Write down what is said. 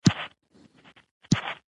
سلیمان غر له افغان کلتور سره تړاو لري.